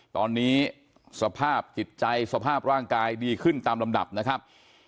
ตอนนี้สภาพจิตใจสภาพร่างกายดีขึ้นตามลำดับนะครับ